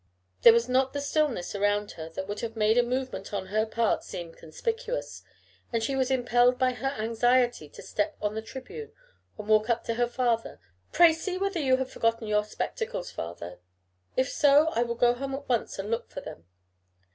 There was not the stillness around her that would have made a movement on her part seem conspicuous, and she was impelled by her anxiety to step on the tribune and walk up to her father, who paused a little startled. "Pray see whether you have forgotten your spectacles, father. If so, I will go home at once and look for them."